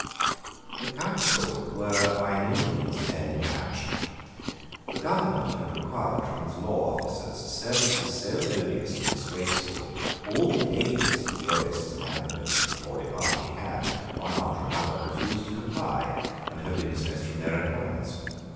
The counsel were by no means fairly matched. The government had required from its law officers services so odious and disgraceful that all the ablest jurists and advocates of the Tory party had, one after another, refused to comply, and had been dismissed from their employments.